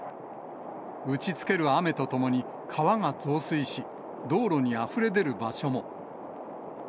打ちつける雨とともに、川が増水し、道路にあふれ出る場所も。